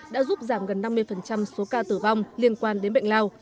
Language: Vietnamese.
đã giúp giảm gần năm mươi số ca tử vong liên quan đến bệnh lao